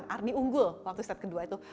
ardi unggul waktu set kedua itu